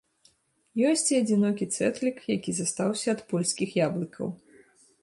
Ёсць і адзінокі цэтлік, які застаўся ад польскіх яблыкаў.